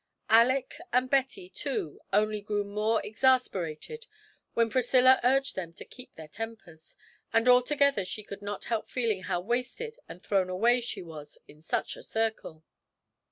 Alick and Betty, too, only grew more exasperated when Priscilla urged them to keep their tempers, and altogether she could not help feeling how wasted and thrown away she was in such a circle.